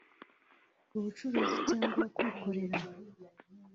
ubucuruzi cyangwa kwikorera